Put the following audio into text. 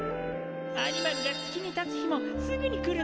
アニマルが月に立つ日もすぐに来るな。